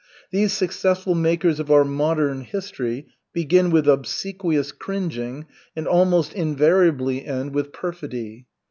These successful makers of our modern history begin with obsequious cringing, and almost invariably end with perfidy.